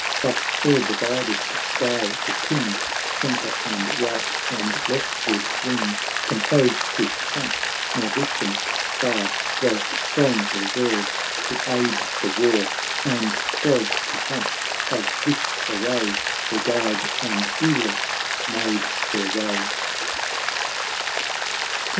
Thus fair divided by the King, Centre, and right, and left ward wing. Composed his front ; nor distant far Was strong reserve to aid the war. And 'twas to front of this array, Her guide and Edith made their way.